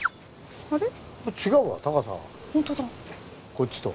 こっちと。